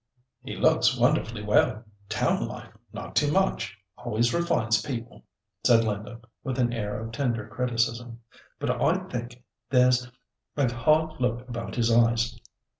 "He looks wonderfully well. Town life—not too much—always refines people," said Linda, with an air of tender criticism; "but I think there's a hard look about his eyes.